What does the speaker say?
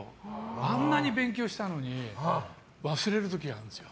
あんなに勉強したのに忘れた時あるんですよ。